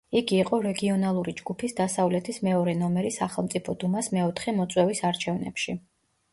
იგი იყო რეგიონალური ჯგუფის „დასავლეთის“ მეორე ნომერი სახელმწიფო დუმას მეოთხე მოწვევის არჩევნებში.